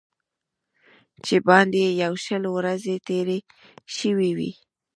چې باندې یې یو شل ورځې تېرې شوې وې.